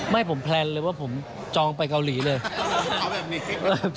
ไม่ผมแพลนเลยว่าผมจองไปเกาหลีเลย